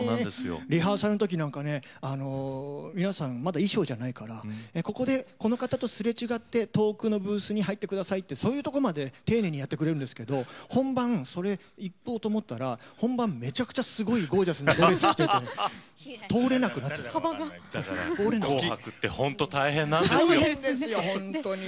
リハーサルの時なんて皆さんまだ衣装じゃないからここでこの方とすれ違ってと多くのブースに入ってくださいとそういうところまで丁寧にやってくださるんですけど本番いこうと思ったら本番めちゃくちゃすごいゴージャスなドレスを着ていてだから「紅白」って本当に大変なんですよ。